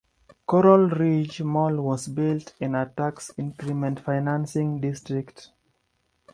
Coral Ridge Mall was built in a tax increment financing district.